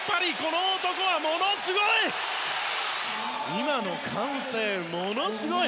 今の歓声ものすごい！